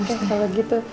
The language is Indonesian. oke kalau gitu